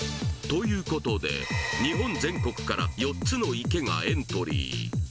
ということで日本全国から４つの池がエントリー